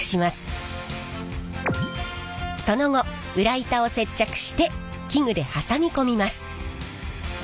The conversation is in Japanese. その後裏板を接着して器具で挟み込みます。